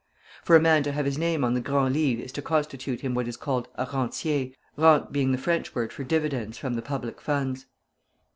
For a man to have his name on the Grand Livre is to constitute him what is called a rentier, rentes being the French word for dividends from the public funds.